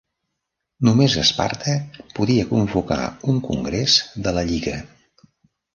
Només Esparta podia convocar un congrés de la Lliga.